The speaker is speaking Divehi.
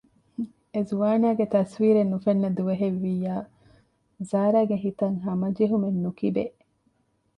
އެޒުވާނާގެ ތަސްވީރެއް ނުފެންނަ ދުވަހެއް ވިއްޔާ ޒާރާގެ ހިތަށް ހަމަޖެހުމެއް ނުކިބޭ